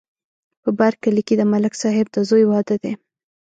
په بر کلي کې د ملک صاحب د زوی واده دی